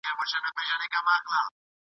ذهن خلاص کړئ.